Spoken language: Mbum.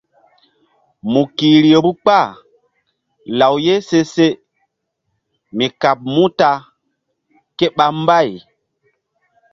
Mu kihri vbu kpah law ye se se mi kaɓ muta ke ɓa mbay.